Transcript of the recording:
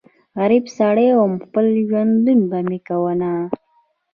غريب سړی ووم خپل ژوندون به مې کوونه